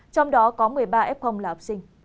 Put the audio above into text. trong đó có một mươi ba f là học sinh